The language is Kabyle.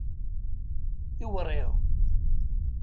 Iwriɣ.